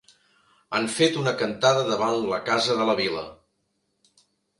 Han fet una cantada davant la casa de la vila.